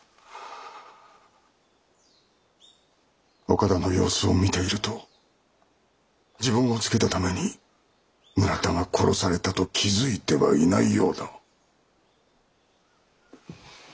岡田の様子を見ていると自分をつけたために村田が殺されたと気付いてはいないようだ。